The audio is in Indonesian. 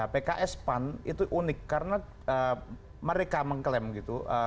pks pan itu unik karena mereka mengklaim gitu